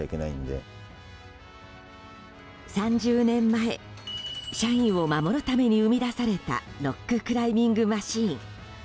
３０年前社員を守るために生み出されたロッククライミングマシーン。